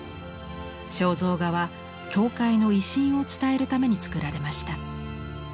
肖像画は教会の威信を伝えるために作られました。